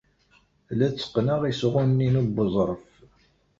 La tteqqneɣ isɣunen-inu n weẓref.